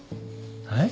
はい？